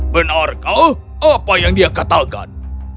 benarkah apa yang dia katakan